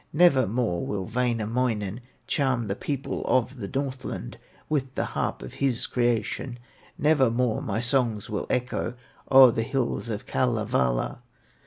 Nevermore will Wainamoinen Charm the people of the Northland With the harp of his creation! Nevermore my songs will echo O'er the hills of Kalevala!"